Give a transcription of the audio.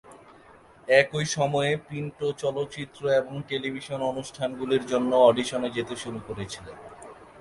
একই সময়ে, পিন্টো চলচ্চিত্র এবং টেলিভিশন অনুষ্ঠানগুলির জন্য অডিশনে যেতে শুরু করেছিলেন।